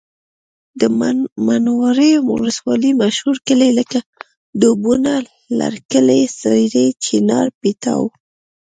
د منورې ولسوالۍ مشهور کلي لکه ډوبونه، لرکلی، سېرۍ، چینار، پیتاو